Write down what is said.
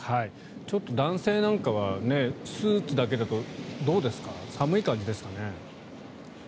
ちょっと男性なんかはスーツだけだとどうですか、寒い感じですかね。